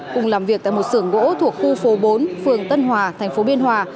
cùng làm việc tại một sưởng gỗ thuộc khu phố bốn phường tân hòa thành phố biên hòa